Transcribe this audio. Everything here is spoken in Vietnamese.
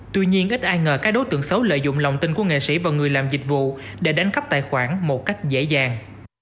tuy nhiên ít ai ngờ các đối tượng xấu lợi dụng lòng tin của nghệ sĩ và người làm dịch vụ để đánh cắp tài khoản một cách dễ dàng